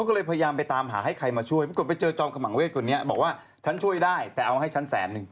คือคนในครอบครัวของคุณผู้ชายที่เสียวิทยา๑๖ปีก่อน